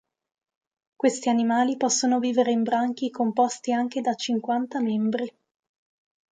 Questi animali possono vivere in branchi composti anche da cinquanta membri.